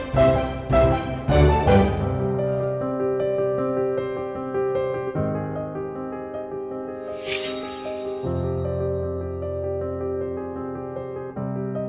selamat pagi mami hari yang hebat